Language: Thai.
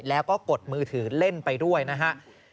แล้วก็กดมือถือเล่นไปด้วยนะฮะ